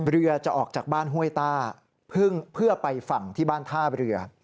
เรือจะออกจากบ้านห้วยต้าพึ่งเพื่อไปฝั่งที่บ้านท่าเรือ